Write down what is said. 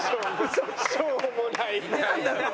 しょうもない。